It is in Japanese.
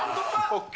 ＯＫ。